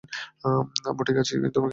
আম্মু ঠিক আছি, তুমি কেমন আছো?